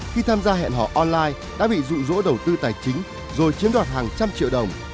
khi tham gia hẹn hò online đã bị rụ rỗ đầu tư tài chính rồi chiếm đoạt hàng trăm triệu đồng